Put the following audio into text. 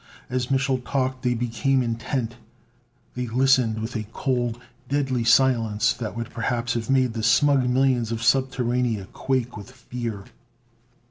As Mich'l talked they became intent: they listened with a cold, deadly silence that would perhaps have made the smug millions of Subterranea quake with fear.